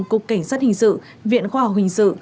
cục cảnh sát hình sự viện khoa học hình sự